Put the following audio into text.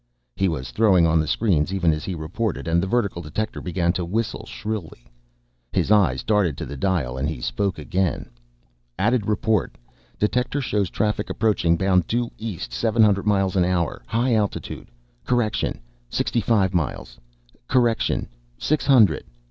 He was throwing on the screens even as he reported. And the vertical detector began to whistle shrilly. His eyes darted to the dial, and he spoke again. "Added report. Detector shows traffic approaching, bound due east, seven hundred miles an hour, high altitude.... Correction; six fifty miles. Correction; six hundred."